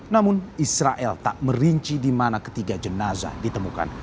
namun israel tak merinci di mana ketiga jenazah ditemukan